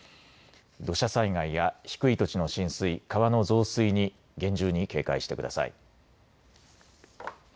土砂災害や低い土地の浸水、川の増水に厳重に警戒してください。